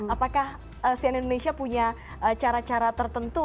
apakah sian indonesia punya cara cara tertentu